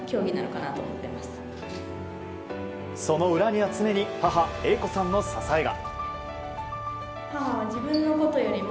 その裏には常に母英子さんの支えが。